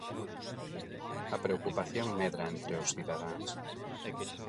A preocupación medra entre os cidadáns.